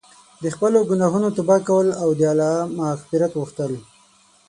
د خپلو ګناهونو توبه کول او د الله مغفرت غوښتل.